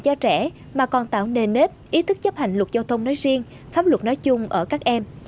cho trẻ mà còn tạo nền nếp ý thức chấp hành luật giao thông nói riêng pháp luật nói chung ở các em